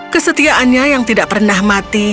kesetiaannya yang tidak pernah mati